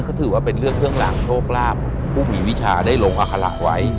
ก็ถือว่าเป็นเรื่องเครื่องหลังโชคลาภผู้มีวิชาได้ลงอาคาระไว้